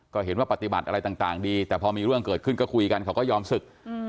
ก็เห็นว่าปฏิบัติอะไรต่างดีแต่พอมีเรื่องเกิดขึ้นก็คุยกันเขาก็ยอมศึก